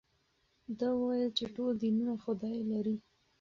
ده وویل چې ټول دینونه خدای لري.